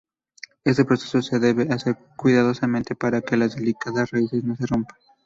Este proceso se debe hacer cuidadosamente para que las delicadas raíces no se rompan.